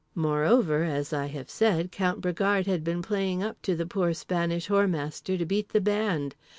Moreover, as I have said, Count Bragard had been playing up to the poor Spanish Whoremaster to beat the band.